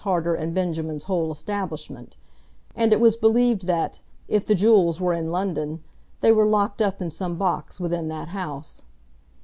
Harter and Benjamin's whole establishment, and it was believed that, if the jewels were in London, they were locked up in some box within that house.